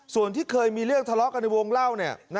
ส่วนที่เคยมีเรื่องทะเลาะกันในวงเล่า